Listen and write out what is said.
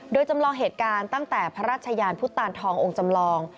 โดยจำลองเหตุการณ์ตั้งแต่พระราชยานพุทธตานทององค์จำลอง